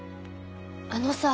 あのさ。